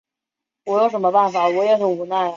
基里巴斯目前无官方的行政区划。